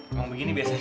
emang begini biasanya